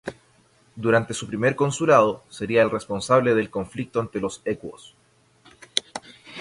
Durante su primer consulado sería el responsable del conflicto ante los ecuos.